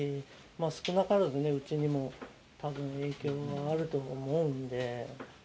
少なからず、うちにもたぶん影響はあると思うんで。